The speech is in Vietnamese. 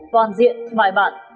toàn diện bài bản